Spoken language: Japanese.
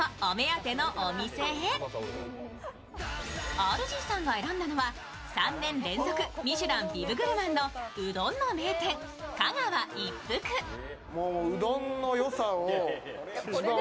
ＲＧさんが選んだのは３年連続ミシュラン・ビブグルマンのうどんの名店、香川一福。男性）